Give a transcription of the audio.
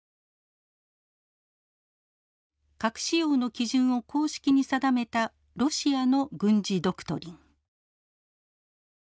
核使用の基準を公式に定めたロシアの軍事ドクトリン。